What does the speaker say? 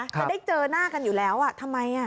จะได้เจอหน้ากันอยู่แล้วทำไม